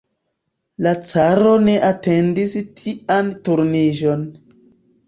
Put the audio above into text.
La caro ne atendis tian turniĝon.